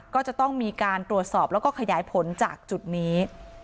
ก็จะต้องมีการตรวจสอบแล้วก็ขยายผลจากจุดนี้